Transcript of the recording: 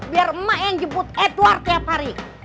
biar emak yang jemput edward tiap hari